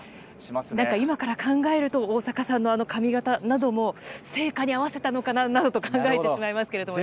今から考えると大坂さんの髪形なども聖火に合わせたのかな、などと考えてしまいますね。